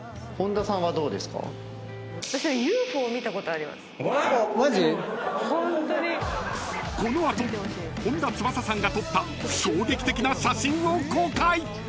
えっ⁉マジ⁉［この後本田翼さんが撮った衝撃的な写真を公開！］